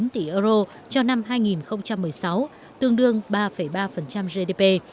sáu mươi chín chín tỷ euro cho năm hai nghìn một mươi sáu tương đương ba ba gdp